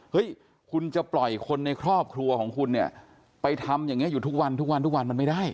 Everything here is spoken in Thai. เฮ้ยคุณจะปล่อยคนในครอบครัวของคุณไปทำอย่างนี้อยู่ทุกวันมันไม่ได้